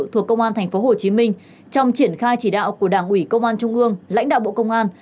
thuộc công an tp hcm trong triển khai chỉ đạo của đảng ủy công an trung ương lãnh đạo bộ công an